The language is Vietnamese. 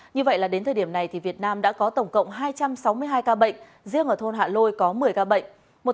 như vậy là đến thời điểm này thì việt nam đã có tổng cộng hai trăm sáu mươi hai ca bệnh riêng ở thôn hạ lôi có một mươi ca bệnh